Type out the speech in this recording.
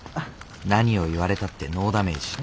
何を言われたってノーダメージ。